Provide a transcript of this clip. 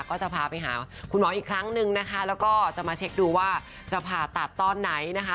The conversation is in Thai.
ก็จะพาไปหาคุณหมออีกครั้งนึงนะคะแล้วก็จะมาเช็คดูว่าจะผ่าตัดตอนไหนนะคะ